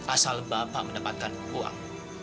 asal bapak mendapatkan uang